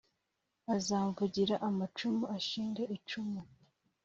azamvugira amacumu ashinge icumu